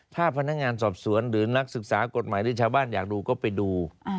ถ้าพนักงานสอบสวนหรือนักศึกษากฎหมายหรือชาวบ้านอยากดูก็ไปดู